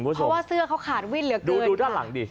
เพราะว่าเสื้อเขาขาดวิ่นเหลือเกินดูด้านหลังดิ